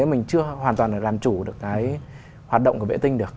chúng ta sẽ không có hoàn toàn là làm chủ được cái hoạt động của vệ tinh được